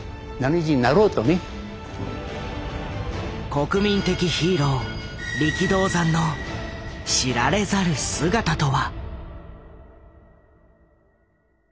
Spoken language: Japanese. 国民的ヒーロー力道山の知られざる姿とは。